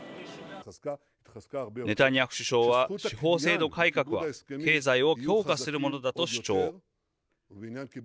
ネタニヤフ首相は司法制度改革は経済を強化するものだと主張。